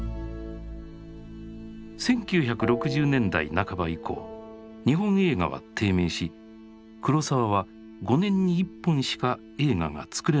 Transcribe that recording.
１９６０年代半ば以降日本映画は低迷し黒澤は５年に１本しか映画が作れなくなっていった。